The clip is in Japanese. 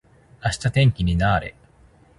明日天気にな～れ。